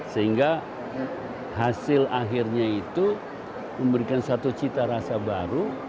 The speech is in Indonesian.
sehingga hasil akhirnya itu memberikan satu cita rasa baru